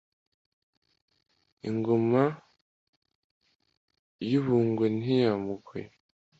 Ingoma y’u Bungwe ntiyamugoye